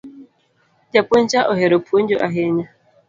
Japuonj cha ohero puonjo ahinya